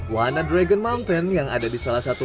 wanadragon mountain yang ada di salah satu